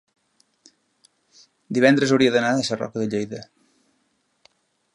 divendres hauria d'anar a Sarroca de Lleida.